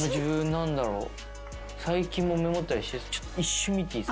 最近もメモったりして一瞬見ていいっすか？